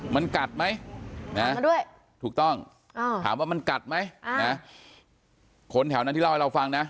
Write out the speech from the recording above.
มันกัดไหมถูกต้องถามว่ามันกัดไหมคนแถวนั้นที่เล่าให้เราฟังนะ